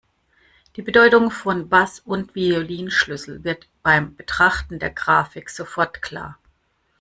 Die Bedeutung von Bass- und Violinschlüssel wird beim Betrachten der Grafik sofort klar.